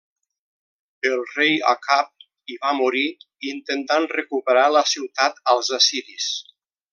El rei Acab hi va morir intentant recuperar la ciutat als assiris.